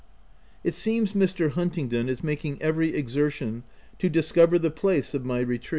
It seems Mr. Huntingdon is making every exertion to discover the place of my retreat.